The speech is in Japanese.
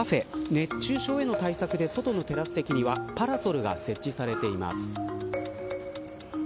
熱中症への対策で外のテラス席にパラソルが設置されています。